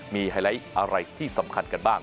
มีไฮไลท์อะไรที่สำคัญกันบ้าง